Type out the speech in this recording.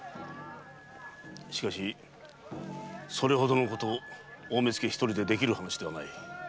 しかしそれほどのこと大目付一人でできる話ではない。